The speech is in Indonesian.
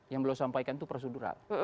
yang belum disampaikan itu prosedural